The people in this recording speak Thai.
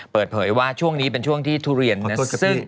เปิดเผยว่าช่วงนี้เป็นช่วงที่ทุเรียนนั้น